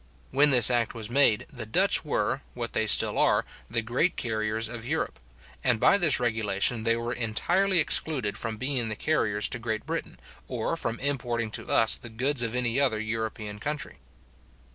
When this act was made, the Dutch were, what they still are, the great carriers of Europe; and by this regulation they were entirely excluded from being the carriers to Great Britain, or from importing to us the goods of any other European country.